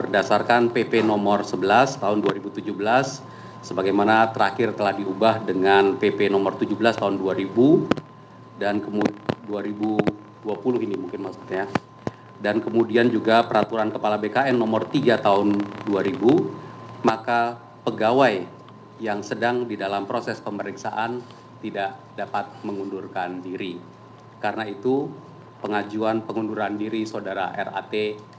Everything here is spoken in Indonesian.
dan kami terima pada tanggal dua puluh tujuh februari dua ribu dua puluh tiga melalui direktorat